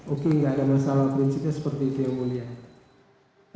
oke nggak ada masalah prinsipnya seperti dia mulia